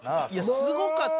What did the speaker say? すごかった。